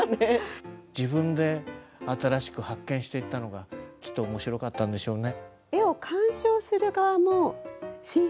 自分で新しく発見していったのがきっと面白かったんでしょうね。